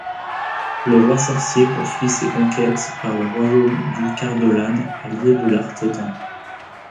Le Roi-Sorcier poursuit ses conquêtes par le royaume du Cardolan, allié de l'Arthedain.